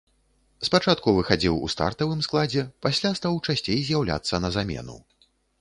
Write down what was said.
Спачатку выхадзіў у стартавым складзе, пасля стаў часцей з'яўляцца на замену.